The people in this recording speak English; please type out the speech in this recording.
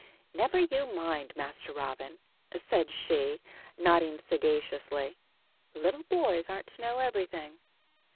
"Never you mind, Master Robin," she said, nodding sagaciously. "Little boys aren't to know everything."